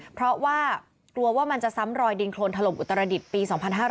เพราะว่ากลัวว่ามันจะซ้ำรอยดินโครนถล่มอุตรดิษฐ์ปี๒๕๕๙